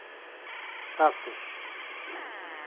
Datas